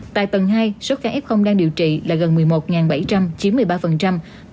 tại tầng hai số ca f đang điều trị là gần một mươi một bảy trăm linh chiếm một mươi ba